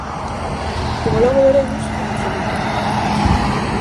Como logo veremos, en absoluto.